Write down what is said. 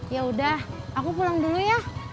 yaudah aku pulang dulu ya